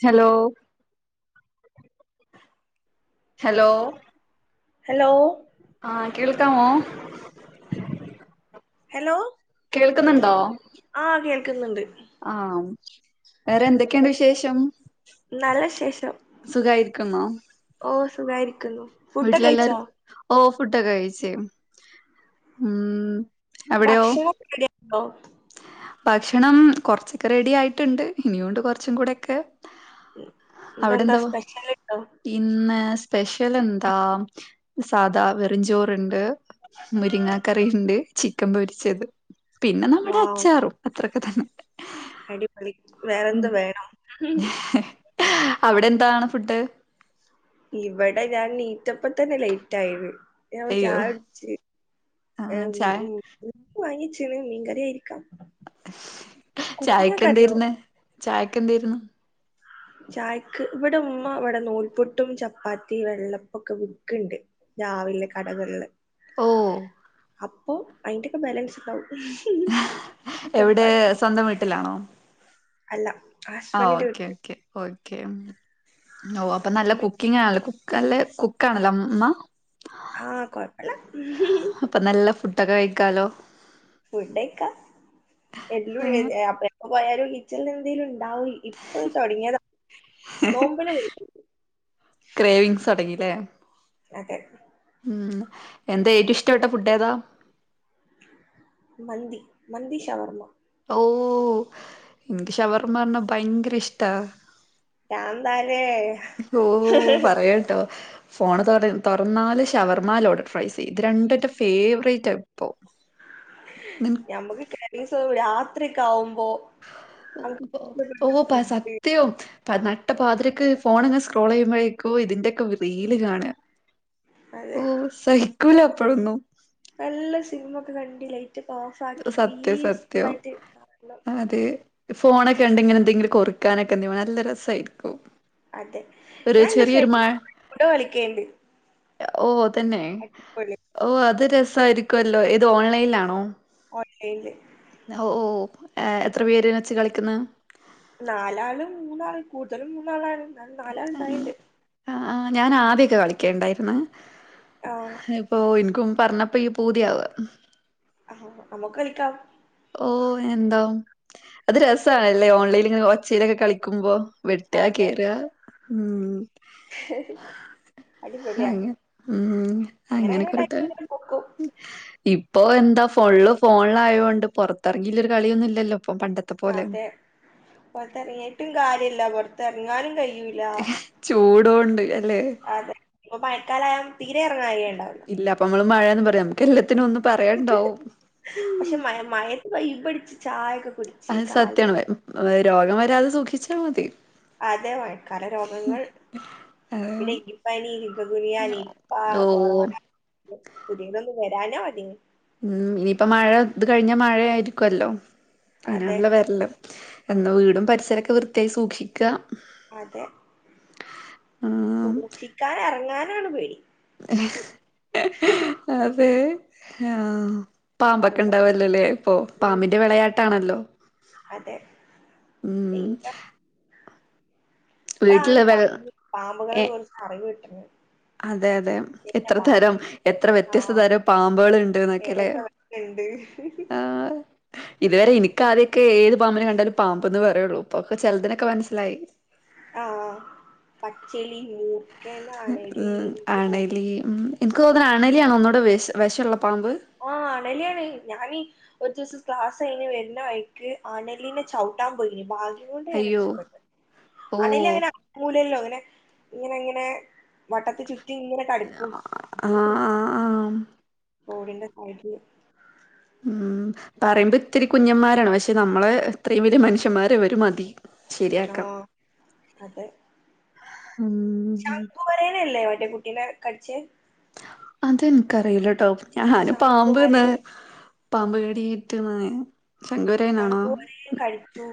ചലോ hello hello ആഹ് കേൾക്കാമോ hello കേൾക്കുന്നുണ്ടോ ആഹ് കേൾക്ക്ന്നുണ്ട് ആം വേറെ എന്തൊക്കെണ്ട് വിശേഷം നല്ലശേഷം സുഖായിരിക്കുന്നോ ഓഹ് സുഖായിരിക്കുന്നു ഫുഡൊക്കെ വീട്ടിലെല്ലാര് കഴിച്ചോ ഓഹ് ഫുഡ്ഡൊക്കെ കൈച്ച്‌ ഉം അവിടെയോ ഭക്ഷണം റെഡിയായ്ണ്ടോ ഭക്ഷണം കൊർച്ചൊക്കെ റെഡിയായ്ട്ടിണ്ട് ഇനിയുണ്ട് കൊർച്ചും കൂടെക്കെ ഇന്നെന്താ അവിടെന്താവോ സ്പെഷ്യൽ ഉണ്ടോ ഇന്ന് സ് പെഷ്യെലെന്താ സാധാ വെ വെറുംചോറിണ്ട് മുരിങ്ങാക്കറിണ്ട് ചിക്കൻ പൊരിച്ചത് പിന്നെ നമ്മടെ വാവ് അച്ചാറും അത്രൊക്കെത്തന്നെ അടിപൊളി വേറെന്ത് വേണം അവ്ടെന്താണ് ഫുഡ്ഡ് ഇവടെ ഞാൻ നീറ്റപ്പത്തന്നെ ലേറ്റ് ആയിണ് ഞാൻ ഇപ്പോ അയ്യോ ചായുട്ച്ച് ആ ചായ [inaudible] വാങ്ങ്യച്ചിണ് മീൻ കറിയായ്രിക്കാം ചായക്കെന്തേര്ന്ന് ചായക്കെന്തേര്ന്നു ചായക്ക് ഇവടുമ്മ ഇവടെ നൂൽപ്പുട്ടും ചപ്പാത്തിം വെള്ളപ്പൊക്കെ വിക്കിണ്ട്. രാവിലെ കടകൾല് ഓഹ് അപ്പോ അയ്ന്റൊക്കെ ബാലൻസിണ്ടാവും എവ്ടെ സ്വന്തം വീട്ടിലാണോ? അല്ല ഹസ് ആഹ് ഓക്കേ ഓക്കേ ഓക്കേ ഉം ഓഹ് അപ്പ നല്ലെ ഓല് കുക്കിങ്ങാൺലൊ ക്കല്ലെ കുക്കാണല്ലോ ഉമ്മ ആഹ് കൊയ്പ്പല്ല പ നല്ല ഫുഡ്ഡക്കെ കൈക്കാലോ ഫുഡൈക്കാ എല്ലൊം എ അപ്പ എപ്പ പോയാലും കിച്ചൺല് എന്തേലുണ്ടാവ്വേ ഇപ്പൊ തൊടങ്ങ്യേതാ നോമ്പിന് മുറിക്ക ക്രേവിങ്ങ്സൊടങ്ങില്ലേ അതെ ഉം എന്താ ഏറ്റുഷ്ടപ്പെട്ട ഫുഡ്ഡേതാ മന്തി മന്തി ശവർമ്മ ഓഹ് ഇൻക്ക് ശവർമാർന ഭയ്ങ്കരെഷ്ടാ പ്രാന്താലേ ഓഹ് പറയാണ്ടോ ഫോണ് തൊറ് തുറന്നാല് ഷവർമാ ലോഡർ ഫ്രൈസ് ഇത് രണ്ടുന്റെ ഫേവ്റേറ്റാ ഇപ്പൊ [inaudible] ഞമ്മക്ക് ക്രേവിങ്സ് [inaudible] രാത്ര്യൊക്കാവുമ്പോ ഓഹ് ഓഹ് പ്പാ സത്യം പ നട്ടപ്പാതിരക്ക് ഫോണിങ്ങനെ സ്ക്രോളെയ്യുമ്പഴേക്കും ഇതിന്റെക്കെ റീല് കാണാ അതെ ഓഹ് സഹിക്കൂല അപ്പഴൊന്നും നല്ല സിൻമൊക്കെ കണ്ട് ലെയ്റ്റൊക്കോഫ് ആക്കി സത്യം പീസ്ഫുള്ളായിട്ട് കാണ്ണം അതെ ഫോണൊക്കെണ്ടിങ്ങെനെ എന്തെങ്കിലു കൊറിക്കാനൊക്കെ എന്തെം വേണം നല്ല രസായ്ര്ക്കും അതെ ഞാൻ എന്റെ ഫ്രണ്ടിനെ വിളിക്കിണ്ട് ഓഹ് തെന്നെ ഓഹ് അത് രസായ്ര്ക്കോല്ലോ ഏത് ഓൺലൈൻലാണോ ഓൺലൈൻല് ഹോ ഓഹ് എത്ര പേര് വെച്ച് കളിക്കുന്ന് നാലാള് മൂന്നാള് കൂടുതലും മൂന്നാളാണ് ന്നാലും നാലാളിണ്ടായിണ്ട് അഹ് ആഹ് ഞാൻ ആദ്യൊക്കെ കളിക്കലിണ്ടായിരുന്ന് ആഹ് ഇപ്പോ ഇൻക്കും പറഞ്ഞപ്പോ ഇയ്യ് പൂതിയാവാ ആഹാ നമുക്ക് കളിക്കാം ഓഹ് എന്താ അത് രസാണല്ലേ ഓൺലൈൻല് ഒച്ചയിലൊക്കെ കളിക്കുമ്പോ വെട്ടാ അതെ കീറാ ഉം [inaudible] അടിപൊളിയാ ഹങ്ങനെ ഉം അങ്ങനെ അങ്ങനെ അങ്ങനെക്കൊരു ടൈം ഇങ്ങനെ പോക്കും ഇപ്പൊ എന്താ ഫുള്ള് ഫോണിലായോണ്ട് പൊറത്തിറങ്ങില്ലൊരു കളിയൊന്നും ഇല്ലല്ലോ ഇപ്പം പണ്ടത്തെ പോലെ അതേ പൊർത്തെറങ്ങീട്ടും കാര്യല്ല പൊറത്തെറങ്ങാനും കഴയി ചൂടോണ്ട് അല്ലേ അതെ ഇപ്പ മയക്കാലായോണ്ട് തീരെ എറങ്ങാൻ കഴിയുണ്ടാവു ഇല്ല അപ്പമ്മള് മഴാന്ന് പറിം നമുക്ക് എല്ലാത്തിനൊന്നു പറയാണ്ടാവും. ഉം പക്ഷേ മയ മയേത്ത് കയ്യുപിടിച്ച് ചായകു അത് സത്യാണ്ബായ് മ് രോഗം വരാതെ സൂക്ഷിച്ചാൽ മതി. അതേ മഴക്കാല രോഗങ്ങൾ. അത് പിന്നെ ഇങ്കിപ്പനി ചിക്കൻഗുനിയ നിപ്പ ഓ കൊറോണ. പു പുതിയതൊന്നും വരാഞ്ഞാ മതിയാന്നു ഉം ഇനിയിപ്പ മഴ ഇത് കഴിഞ്ഞാ മഴയായിരിക്കുവല്ലോ അതെ അങ്ങനാണല്ലോ വര്ല്. എന്നാ വീടും പരിസരൊക്കാ വൃത്തിയായി സൂക്ഷിക്കാ അതെ ആഹ് സൂക്ഷിക്കാതനെറങ്ങാനാണ് പേടി അതേ ആഹ് പാമ്പക്കെ പറമ്പൊക്കെ ഉണ്ടാവല്ലൊല്ലേ ഇപ്പൊ ഉം പാമ്പിന്റെ വെളയാട്ടാണല്ലോ. അതെ ടെയ്ഞ്ചർ ഇപ്പളാണ് വീട്ടില് വെൾ പാമ്പ് പാമ്പുകളെ കുറിച്ച് അറിവ് കിട്ട്ണ് അതെയതേ എത്ര തരം എത്ര വ്യത്യസ്ത ആഹ് തരം പാമ്പുകള്ണ്ട്ന്നൊക്കെല്ലേ. ഏതൊക്കെ [unintelligible] ഇതുവരെ എനിക്കാദ്യൊക്കെ ഏത് പാമ്പിന കണ്ടാലും പാമ്പ്ന്ന് പറയുള്ളൂ ഇപ്പൊക്ക ചെലതിനൊക്ക മനസ്സിലായി. ആഹ് പച്ചേലീ മൂർ ഉം അണലി എനിക്ക് തോന്നണ് അണലിയാണ് ഒന്നുകൂടെ വെശ് വെശൊള്ള പാമ്പ്. ആഹ് അണലിയാണ് ഞാന് ഒരു ദിവസം ക്ലാസഴിഞ്ഞ് വരുന്ന വഴിക്ക് അണലിനെ ചവുട്ടാൻ പോയിന് ഭാഗ് ഇതുകൊണ്ട് ഞാൻ അയ്യോ രക്ഷപ്പെട്ട് ഓ അണെലി അങ്ങന സ്കൂളില്ലോ ഇങ്ങനെ ഇങ്ങനെ ഇങ്ങനെ വട്ടത്തീ ചുറ്റി ഇങ്ങനെ കടുക്കും ആഹ് ആഹ് ആഹ് റോഡിന്റെ അരു ഉം പറയുമ്പത്തിരി കുഞ്ഞന്മാരാണ് പഷേ നമ്മളെ ഇത്രയും വലിയ മനുഷ്യന്മാരിവര് മതി. ശരിയാക്കാം ആഹ് ഉം. ശങ്കുവരയനല്ലേ മറ്റേ കുട്ടീനേ കടിച്ച് അത് ൻക്കറിയില്ലട്ടോ ഞാന് ശംഖുവരേ പാമ്പ്ന്ന് പാമ്പ്കടിയേറ്റ്ന്ന്. ചങ്കോരിന് കടിച്ചു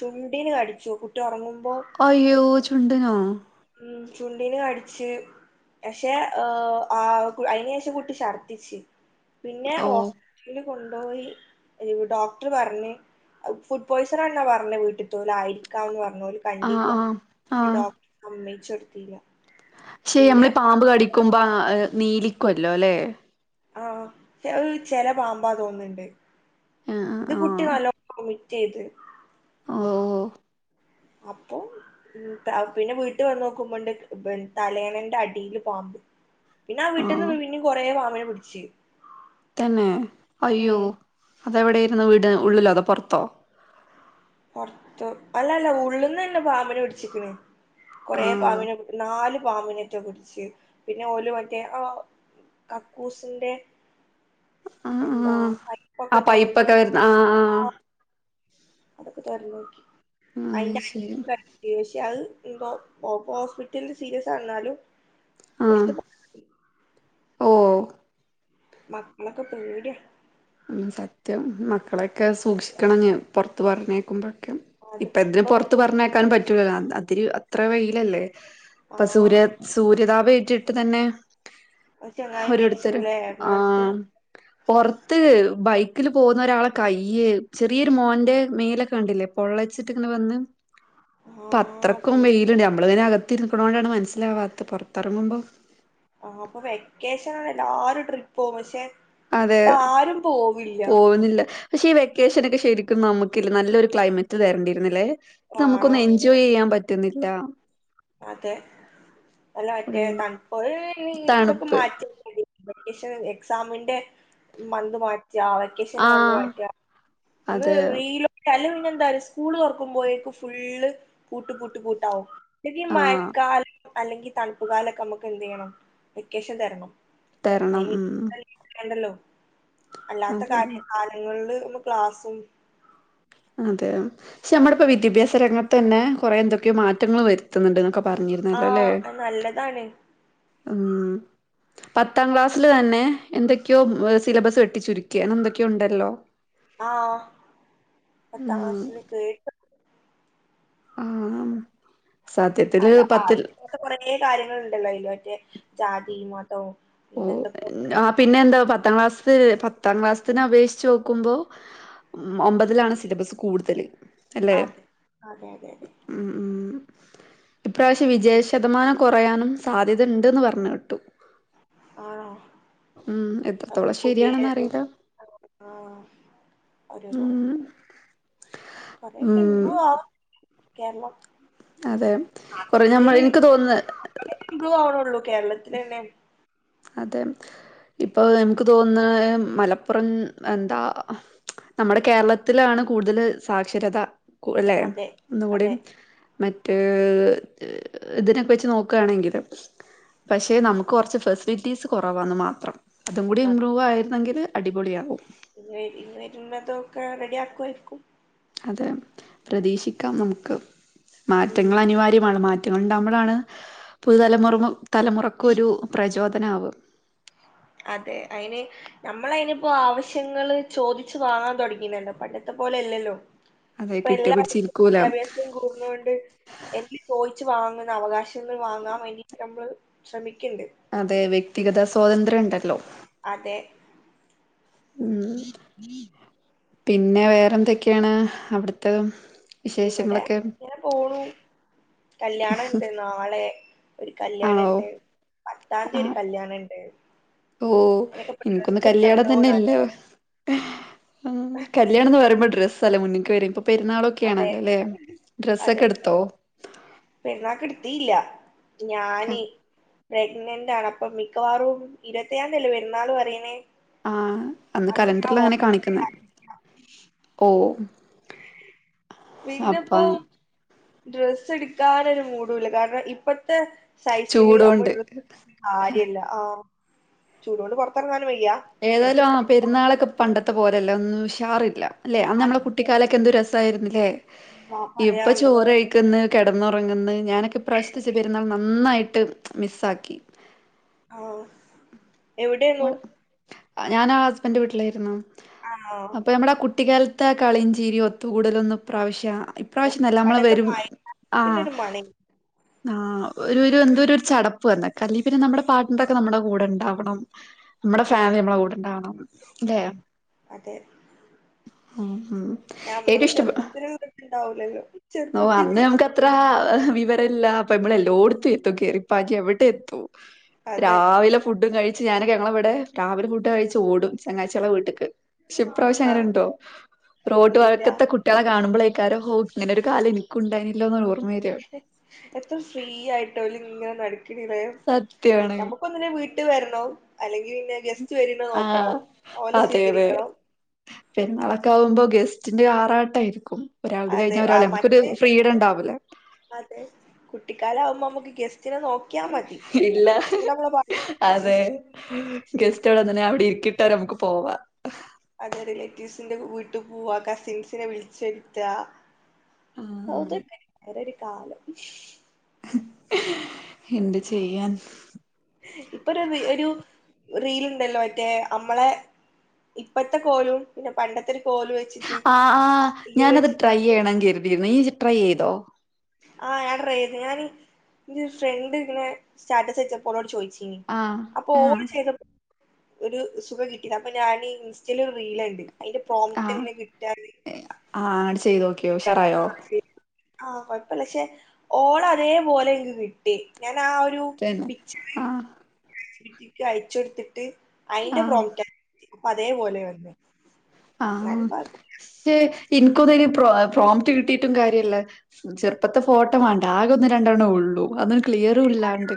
ചുണ്ടീന് കടിച്ചു കുട്ടി ഒറങ്ങുമ്പോ അയ്യോ ചുണ്ടിനോ ഉം ചുണ്ടിന് കടിച്ച് പക്ഷേ ആ അയിന് ശേഷം കുട്ടി ശർദിച്ച് പിന്നെ ഓ ഹോസ് പിന്ന കൊണ്ടോയി ഈ ഡോക്ടറ് പറഞ്ഞ് ഫുഡ് പോയ്സനാണെന്നാ പറഞ്ഞേ വീട്ടിൽത്തോലായിരിക്കാംന്ന് പറഞ്ഞ് ഓല് ആഹ് കണ്ടീല്ല ആഹ് ഈ ഡോക്ടർ സമ്മയിച്ചൊടുത്തീലാ ശേ നമ്മള് പാമ്പ് കടിക്കുമ്പ ആഹ് നീലിക്കുവല്ലോല്ലെ. ആഹ് അഹ് ചെല പാമ്പാ തോന്നുണ്ട് ആഹ് ഇത് കുട്ടി ആഹ് നല്ലോം [unintelligible] ചെയ്ത് ആഹോ അപ്പൊൾ ഉം പിന്നെ വീട്ട് വന്ന് നോക്കുമ്പണ്ട് തലേണേന്റടീല് പാമ്പ് പിന്നാവീട്ടീന്ന് ആഹ് പി പിന്നേം കൊറേ പാമ്പിനെ പിടിച്ച്. തന്നെ അയ്യോ ഉം അതെവിടേരുന്നു വീട് ഉള്ളിലോ അതോ പൊറത്തോ പൊറത്ത് അല്ലല്ല ഉള്ളീന്നന്നെ പാമ്പിനെ പിടിച്ച്ക്കണ് കൊറേ ആഹ് പാമ്പിനെ പി നാല് പാമ്പിനേറ്റെ പിടിച്ച് പിന്നെ ഒല് മറ്റേ ആ കക്കൂസിന്റെ ആഹ് എന്താ ആഹ് ആ പൈപ്പൊക്കെ തൊരന്ന് പൈപ്പൊക്കെ വരുന്ന നോക്കി ആ ആ ആഹ് അതൊക്കെ തൊരന്നോക്കി ആ അയിന്റ അടീത്തെ ശരി [unintelligible] അത് ഇന്ന് ഹോസ്പിറ്റലി സീരിയസ എന്നാലും ആഹ ഓഹ് മക്കളൊക്കെ പേടിയാ ഉം സത്യം മക്കളെയൊക്കെ സൂക്ഷിക്കണം പൊറത്ത് പറഞ്ഞേക്കുമ്പം അത് ഇപ്പ ഇതിന് ഇപ്പം പുറത്ത് പറഞ്ഞേക്കാനും പറ്റൂലല്ലോ അതിന് അത്ര വെയിലല്ലേ ഇപ്പൊ ആഹ് സൂര്യ സൂര്യതാപ ഏറ്റിട്ട് തന്നെ ഒരു ചെങ്ങായി ഓരോട്തര് മരിച്ചില്ലേ ആ എറണാകുളത്ത് പൊർ ത്ത് ബൈക്കില് പോകുന്ന ഒരാളെ കൈയ്യ ചെറിയൊരു മോന്റെ മേലൊക്കെ കണ്ടില്ലേ പൊള്ളച്ചിട്ടിങ്ങനെ വന്ന് അപ്പൊ ആഹ് അത്രയ്ക്കും പേടി വെയിലുണ്ട് നമ്മള് പിന്നെ അകത്ത് ഇരിക്കണോണ്ടാണ് മനസിലാവാത്തത് പുറത്തിറങ്ങുമ്പോ ആഹ് അപ്പൊ വെക്കേഷനാണ് എല്ലാരും ട്രിപ്പ് പോകും പക്ഷെ ഇപ്പ ആരും പോവില്ല പോവുന്നില്ല പക്ഷെ ഈ വെക്കേഷൻ ഒക്കെ ശരിക്കും നമുക്ക് നല്ലൊരു ക്ലൈമറ്റ് തരേണ്ടിരുന്നില്ലേ ആണോ നമുക്കൊന്ന് എൻ ജോയ് ചെയ്യാൻ പറ്റുന്നില്ല അതെ അല്ല ഫുൾ മറ്റേ തണപ്പൊ [unintelligible] ഇതൊക്കെ തണുപ്പ് മാറ്റി [unintelligible] വെക്കേഷൻ എക്സാമിന്റെ മന്ത് മാറ്റിയ ആ വെക്കേഷന്റെ മന്ത് ആഹ് മാറ്റ ഒന്ന് അതെ റീല് അല്ലെ പിന്നെ എന്താറിയോ സ്കൂള് തുറക്കുമ്പോഴേക്ക് ഫുള്ള് പൂട്ട് പൂട്ട് പൂട്ടാവും അല്ലെങ്കിൽ ആഹ് മഴക്കാലം അല്ലെങ്കിൽ തണുപ്പ് കാലൊക്കെ നമ്മുക്ക് എന്ത് ചെയ്യണം വെക്കേഷൻ തരണം തരണം അയ്ന് ഉം നിക്കണ്ടല്ലോ അല്ലാത്ത അതെ കാര്യ കാലങ്ങളില് [unintelligible] ക്ലാസും അതെ പക്ഷെ നമ്മുടെ ഇപ്പോ വിദ്യാഭ്യാസ രംഗത്ത് തന്നെ കൊറെ എന്തൊക്കെയോ മാറ്റങ്ങൾ വരുത്തുന്നുണ്ട്ക്കെ പറഞ്ഞിരുന്നല്ലോ അല്ലേ ആഹ് നല്ലതാണ് ഉം പത്താം ക്ലാസ്സിൽ തന്നെ എന്തൊക്കെയോ സിലബസ് വെട്ടിച്ചുരുക്കെ അങ്ങനെ എന്തൊക്കെയോ ഇണ്ടല്ലോ ആഹ് പത്താം ഉം ക്ലാസ്സിൽ കേട്ടു ആഹ് സത്യത്തില് അല്ല ആ പത്തിൽ [unintelligible] കൊറെ കാര്യങ്ങൾണ്ടല്ലോ അയിൽ മറ്റേ ജാതിയും മതവും പിന്നെ ഓഹ് എന്തൊക്കൊക്കെ ആ പിന്നെ എന്താ പത്താം ക്ലാസ് പത്താം ക്ലാസ്സത്തിന് അപേക്ഷിച്ച് നോക്കുമ്പോ ഉം ഒമ്പതിലാണ് സിലബസ് കൂടുതല് അല്ലെ അതെ അതെ അതെ അതെ ഉം ഉം ഇപ്രാവശ്യം ഉണ്ട് വിജയശതമാനം കൊറയാനും സാധ്യത ഉണ്ടെന്ന് പറഞ്ഞു കേട്ടു ആണോ ഉം അപ്പൊ എത്രത്തോളം പുതിയെ ശരിയാണെന്ന് അറിയില്ല ആഹ് ഒരോരോ ഉം കൊറേക്കെ ഉം [unintelligible] കേരളം അതെ കൊറ നമ്മൾ എനിക്ക് തോന്നന്ന് ഇമ്പ്രൂവ്വണള്ളൂ കേരളത്തില തന്നെ അതെ ഇപ്പൊ നമുക്ക് തോന്നുന്ന മലപ്പുറം എന്താ നമ്മുടെ കേരളത്തിലാണ് കൂടുതല് സാക്ഷരത അല്ലെ അതെ ഒന്നും കൂടി അതെ മറ്റേ, ഇതിനൊക്കെ വെച്ച്- നോക്കയാണെങ്കിൽ. പക്ഷെ നമുക്ക് കുറച്ച്- ബിറ്റീസ് കുറവാെന്ന് മാത്രം, അതും കൂടി അതെ ഇമ്പ്രൂവ ആയിരുന്നെങ്കിൽ അടിപൊളിയാകും. [unintelligible] റെഡി ആക്കുവായിരിക്കും. അതെ പ്രതീക്ഷിക്കാം നമുക്ക്- ഉം മാറ്റങ്ങൾ അനിവാര്യമാണ്. മാറ്റ- ഒറ്റ കൊണ്ടാവുമ്പോളാണ്- പുതുതലമുറ, തലമുറക്കൊരു പ്രചോദനമാവ. അതെ അയിന്, നമ്മൾ അതിനിപ്പോ ആവശ്യങ്ങള്- ചോദിച്ചു വാങ്ങാൻ തുടങ്ങീണല്ലോ, പണ്ടത്തെ പോലെ അല്ലല്ലോ. അതെ ഇപ്പോ കിട്ടി എല്ലാർക്കും പിടിച്ചിരിക്കൂല വിദ്യാഭ്യാസവും കൂടണോണ്ട്. എന്നന്ന് ചോയിച്ചു വാങ്ങ്ണ- അവകാശങ്ങൾ വാങ്ങാൻ വേണ്ടിട്ട് നമ്മള് ശ്രമിക്കണ്ട്. അതെ, അതെ വ്യക്തിഗത സ്വാതന്ത്ര്യം ഉണ്ടല്ലോ? അതെ, ഉം പിന്നെ വേറെ എന്തൊക്കെയാണ്, അവിടുത്തത്? ഇവിടെ അങ്ങനെ പോണു. കല്യാണണ്ട്, നാളെ ഒരു ആണോ കല്യാണണ്ട്. പത്താം തീയതി ആ ഒരു കല്യാണുണ്ട്. ഓ എനിക്കൊന്ന് കല്യാണം എടുക്കണല്ലോന്ന് തന്നെല്ലേ. ആഗ്രഹിക്ക കല്യാണംന്ന് പറയുമ്പോ ഡ്രല്ലേ മുന്നക്ക് വര പെുന്നാളോ - കെയണല്ലോ അല്ലേ, ഡ്രസ്സ്‌ ഒക്കെ എടുത്തോ? പെണ കിടുത്തിയില്ല ഞാന്- പ്രഗ്നന്റ് ആണ് അപ്പോ മിക്കവാറും, ഇരുപത്താം തല്ല വരുന്നാൾ പറയണേ. ആ അന്ന് അല്ല കലണ്ടറിൽ അങ്ങനെ കാണിക്കുന്നു [unintelligible] ഓ. അപ്പ പിന്നെപ്പോ- ഡ്രസ്സ് എടുക്കാനൊരു മൂടൂല്ല, കാരണം ഇപ്പത്തെ- സൈസിന് നമ്മള് ചൂടോണ്ട് ഡ്രസ് കാര്യല്ല ആഹാ ചൂട കൊണ്ട്- പുറത്തിറങ്ങാനും വയ്യ- ഏതായാലും ഡ്രസ്സ് ആഹാ, എടുക്കാൻ പെുന്നാളൊക്കെ പണ്ടത്തെ പോരല്ല, ഒന്നും ഉഷാറില്ല അല്ലെ ആഹാ, നമ്മള കുട്ടി. കാലൊക്കെ എന്തു രസമായിന്നില്ലേ, ആഹ് ഇപ്പോ പറയാനുണ്ടോ ചോറ്. നിക്കന്ന് കിടന്നുറങ്ങുന്നു- ഞാനൊക്കെ പ്രവിശത്തേ- പെരുന്നാൾ നന്നായിട്ട് മിസ്സാക്കി. ആഹാ. ഞൻ ആഹാ ഹസ്ബന്റെ- വീട്ടിലായിരുന്നു, ആണോ അഅപ്പോ നമ്മടെ ആഹാ കുട്ടിക്കാല. മത്ത കളിയും ചീരി, ഒത്തുകൂടല- ഒന്നും പ്രാവശ്യം. പ്രാവശ്യംല്ല നമ്മള് പണ്ടത്തെ വരും ആഹ. മഴക്കാലത്തിനൊരു മണേനി ആ ഒരു ഒരു എന്ത ഒരു ചടപ്പ് വന്നക്ക ആഹാ പിന്നെ നമ്മുടെ- പാർട്ണർ നമ്മുടെ കൂടെ ഉണ്ടാവണം. നമ്മുടെ അതെ ഫാമിലി നമ്മളെ കൂടെണ്ടാവണം അല്ലെ. അതെ. ഉം ഉം. ഞമ്മള് ഏറ്റവും ഇഷ്ട ചെറുപ്പത്തിനും, ഉണ്ടാവൂല്ലോ ചെറുപ്പത്തി- അത്ര വിവരമല്ല അപ്പ നമ്മള- എല്ലോടത്തും എത്തും. കയറിപ്പാകി അവിടെ എത്തും. അതെ രാവിലെ ഫുഡും കഴിച്ച്- ഞാനൊക്കെ, ഞങ്ങള ഇവിടെ- രാവിലെ ഫുഡും കഴിച്ച് ഓടും. ചങ്ങാഴ്ചകളെ വീട്ടേക്ക്. ഷി പ്രാവശ്യം അങ്ങനെ ആഹ് ഉണ്ടോ, റോഡ് ഇല്ല വഴക്കത്തെ കുട്ട- കുറ്റള കാണുമ്പോഴേകരം ഹോ- ഇങ്ങനെ കാലം- എനിക്കുണ്ടായില്ലോന്ന് ഓർമ്മ വരിയാണ്. എത്ര ഫ്രീ ആയിട്ടല ഇങ്ങനെ നടക്കണിലേ. സത്യാണ്. പിന്നെ വീട്ട വരണം, അല്ലെങ്കിൽ- പിന്നെ ഗസ്റ്റ് വരൻണ്ടോ നോക്കണം, ഓലെ സ്വീകരിക്കണം. പെന്നാളൊക്കെ ആകുമ്പോ- ഗെസ്റ്റിന്റെ ആറാട്ടായിരിക്കും. ഒരാൾത് അതെ കഴിഞ്ഞാ ഒരാളെ- ആഹ് നമുകോരു മറ്റ് ഫ്രീഡം ഉണ്ടാവില്ല. അതെ കുട്ടിക്കാല ആവുമ്പോ- നമുക്ക് ഗെസ്റ്റിനെ നോക്ക- ഇല്ല, അതെ ഗസ്റ്റ്. ടെന്നെ അവിടെ ഇരിക്കിട്ടരെ നമുക്ക് പോവാം. അതെ റിലേറ്റീവ്സിന്റെ വീട്ട് പോവാ കസിൻസിനെ വിളിച്ചെര്ത്ത ആഹ് അതൊക്കെ വേറരു കാലം എന്ത് ചെയ്യാൻ ഇപ്പൊ ഒരു റീ ഒരു റീല് ഉണ്ടല്ലോ മറ്റേ അമ്മളെ ഇപ്പത്തെ കോലും പിന്നെ പണ്ടത്തെ ഒരു കോലും വെച്ച് ആ ആ ഞാനത് ട്രൈയ്യയണം കര്തിയിരുന്നു ഇയ്യ്‌ ജ്ജ് ട്രൈ യ്യയ്തോ ആ ഞാൻ ട്രൈയ്യയ്ത് ഞാന് ഇന്റെ ഫ്രണ്ട് ഇങ്ങനെ സ്റ്റാറ്റസ് വെച്ച പ്പൊ ഓളോട് ചോയിച്ചീനി ആഹ് അപ്പൊ ആഹ് ഓള് ചെയ്ത ഒരു സുഖം കിട്ടീല അപ്പം ഞാന് ഇൻസ്റ്റയ്ല് ഒരു റീലണ്ട് അയിന്റെ പ്രോമ്റ്റ് എങ്ങനെ കിട്ടാന്ന് ആ ആണ്ട് ചെയ്തൊക്കിയോ ഉഷാറായോ ആ ആ കൊഴപ്പല്ല പക്ഷെ ഓള അതേപോലെ ഇൻക്ക് കി ട്ടി ഞാനാ ആ ഒരു തന്നെ പിചർ ആഹ് ചാറ്റ്ജിപിടി ക്ക് അയച്ചൊട്ത്ത്ട്ട് അയിന്റെ ആഹ് പ്രോമിറ്റ അപ്പ അതേപോലെ വന്നേ ആ ഷേ ഇൻക്കൊന്നും അയിന് പ്രോ പ്രോംറ്റ് കിട്ടിട്ടും കാര്യല്ല ചെർപ്പത്തെ ഫോട്ടോ വാണ്ടേ ആകെ ഒന്ന് രണ്ടെണ്ണ ഒള്ളൂ അതും ക്ലിയറു ഇല്ലാണ്ട്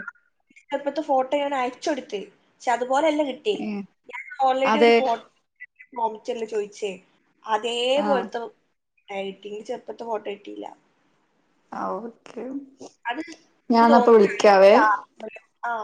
ചെർപ്പത്തെ ഫോട്ടോ ഞാന് അയച്ചൊടുത്ത് പക്ഷെ അതുപോലെല്ല കി ട്ടി ഏഹ് ഞാന് ഓൾറെഡി ഒരു അതെ ഫോട്ടോ പ്രോംറ്റല്ല ചോയ്ച്ചേ അതേ ആഹ് പോൽത്തെ ഡയറ്റിംഗ് ചെർപ്പത്ത ഫോട്ടോ കിട്ടീല്ല ഓക്കെ അത് ഞാ എനിക്ക് ന്നാപ്പ വിളിക്കാവേ തോന്നുന്നു ആ